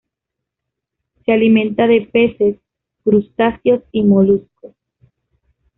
Se alimenta de peces, crustáceos y moluscos.